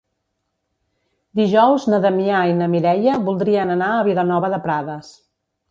Dijous na Damià i na Mireia voldrien anar a Vilanova de Prades.